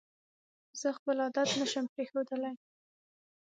زه خپل عادت پشم پرېښودلې